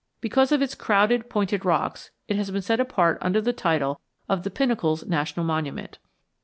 Because of its crowded pointed rocks, it has been set apart under the title of the Pinnacles National Monument.